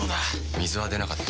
水は出なかった。